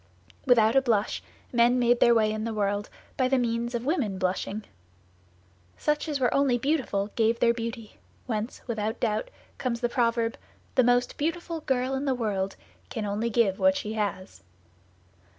Without a blush, men made their way in the world by the means of women blushing. Such as were only beautiful gave their beauty, whence, without doubt, comes the proverb, "The most beautiful girl in the world can only give what she has."